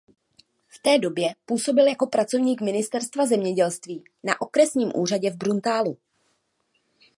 V té době působil jako pracovník ministerstva zemědělství na okresním úřadě v Bruntálu.